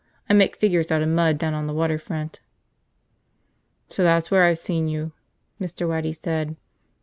I make figures out of mud down on the water front." "So that's where I've seen you," Mr. Waddy said.